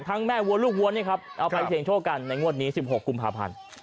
แม่วัวลูกวัวนี่ครับเอาไปเสียงโชคกันในงวดนี้๑๖กุมภาพันธ์